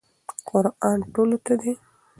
قرآن ټولو ته دی.